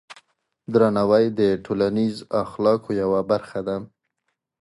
درناوی د ټولنیز اخلاقو یوه برخه ده.